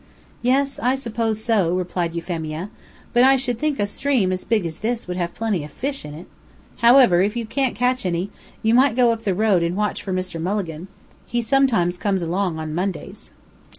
"Yes, I suppose so," replied Euphemia; "but I should think a stream as big as this would have plenty of fish in it. However, if you can't catch any, you might go up to the road and watch for Mr. Mulligan. He sometimes comes along on Mondays."